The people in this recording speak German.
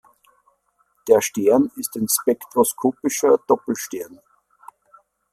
Der Stern ist ein spektroskopischer Doppelstern.